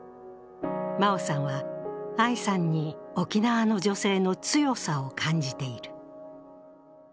真生さんは愛さんに沖縄の女性の強さを感じている。